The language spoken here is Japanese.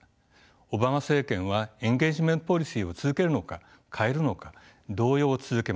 オバマ政権はエンゲージメント・ポリシーを続けるのか変えるのか動揺を続けました。